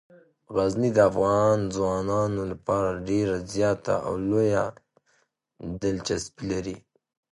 غزني د افغان ځوانانو لپاره ډیره زیاته او لویه دلچسپي لري.